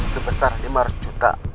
sebesar lima ratus juta